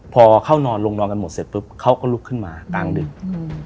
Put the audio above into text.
พอเข้านอนลงนอนกันหมดเสร็จปุ๊บเขาก็ลุกขึ้นมากลางดึก